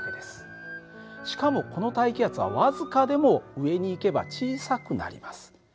しかもこの大気圧は僅かでも上に行けば小さくなります。